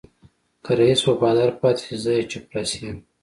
که رئيس وفادار پاتې شي زه يې چپړاسی یم.